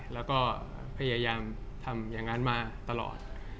แล้วก็พยายามทำอย่างนั้นมาตลอด